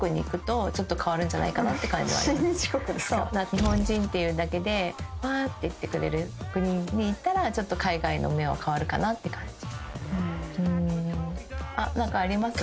日本人っていうだけでわーって言ってくれる国に行ったらちょっと海外への目は変わるかなって感じ。